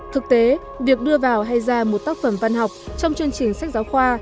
thực tế việc đưa vào hay ra một tác phẩm văn học trong chương trình sách giáo khoa